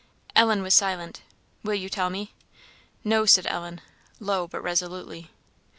Ellen was silent. "Will you tell me?" "No," said Ellen, low, but resolutely.